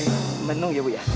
ini menu ya bu ya